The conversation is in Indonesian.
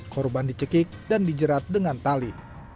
korban dicekik dan dijerat dengan tali